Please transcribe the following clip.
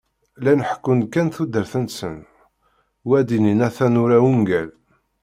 Llan ḥekkun-d kan tudert-nsen, u ad d-inin ata nura ungal.